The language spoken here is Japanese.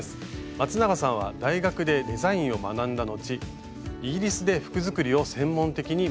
まつながさんは大学でデザインを学んだ後イギリスで服作りを専門的に学びます。